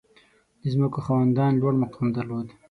• د ځمکو خاوندان لوړ مقام درلود.